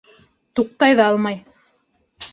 Туҡтай ҙа алмай.